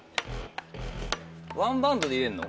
ワンバウンドで入れんの？